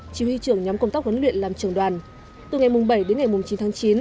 chỉ huy trưởng nhóm công tác huấn luyện làm trường đoàn từ ngày bảy đến ngày chín tháng chín